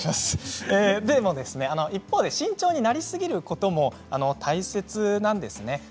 一方で慎重になりすぎることも大切なんですね。